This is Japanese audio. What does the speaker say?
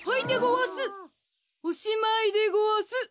おしまいでごわす。